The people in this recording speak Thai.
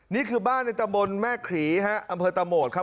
นี่คือบ้านในตะบนแม่ขรีฮะอำเภอตะโหมดครับ